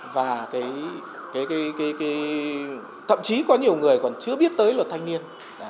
và thậm chí có nhiều người còn chưa biết tới luật thanh niên